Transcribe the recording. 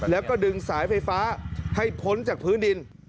แล้วก็ดึงสายไฟฟ้าให้พ้นจากพื้นดิน